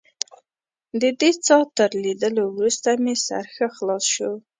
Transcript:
ددې څاه تر لیدلو وروسته مې سر ښه خلاص شو.